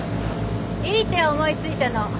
いい手を思い付いたの。